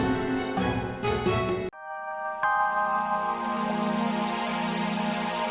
saya pergi mobil